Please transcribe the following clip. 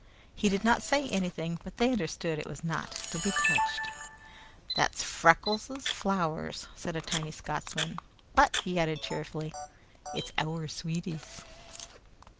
He did not say anything, but they understood it was not to be touched. "Thae's Freckles' flow'rs," said a tiny Scotsman, "but," he added cheerfully, "it's oor sweeties!"